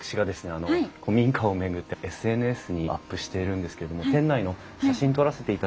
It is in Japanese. あの古民家を巡ってＳＮＳにアップしているんですけれども店内の写真撮らせていただいてもよろしいですか？